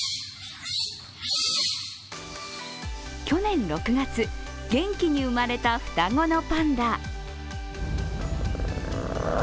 去年６月、元気に生まれた双子のパンダ。